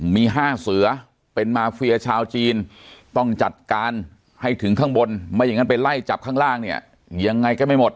มี๕เสือเป็นมาเฟียชาวจีนต้องจัดการให้ถึงข้างบนไม่อย่างนั้นไปไล่จับข้างล่างเนี่ยยังไงก็ไม่หมด